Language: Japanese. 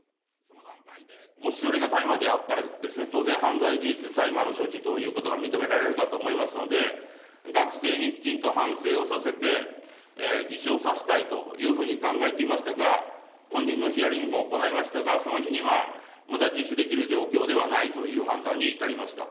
もしそれが大麻であったら、当然、犯罪事実、大麻の所持ということが認められるかと思いますので、学生にきちんと反省をさせて、自首をさせたいというふうに考えていましたが、本人へのヒアリングも行いましたが、その日には、まだ自首できる状況ではないという判断に至りました。